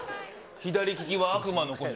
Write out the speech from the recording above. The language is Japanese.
左利きは悪魔の子や。